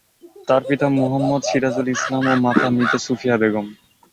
তার পিতা মোহাম্মদ সিরাজুল ইসলাম ও মাতা মৃত সুফিয়া বেগম।